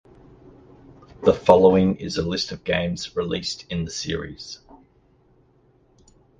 The following is a list of games released in the series.